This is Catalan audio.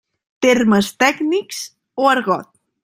Termes tècnics o argot?